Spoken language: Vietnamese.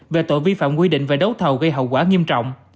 về tội vi phạm quy định về đấu thầu gây hậu quả nghiêm trọng